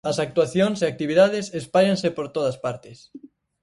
As actuacións e actividades espállanse por todas partes.